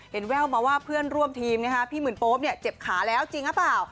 แววมาว่าเพื่อนร่วมทีมพี่หมื่นโป๊ปเจ็บขาแล้วจริงหรือเปล่า